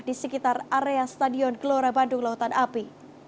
di sekitar area stadion gelora bandung lautan api